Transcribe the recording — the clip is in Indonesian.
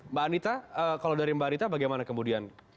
mbak anita kalau dari mbak anita bagaimana kemudian